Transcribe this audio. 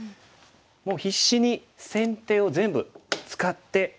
もう必死に先手を全部使って。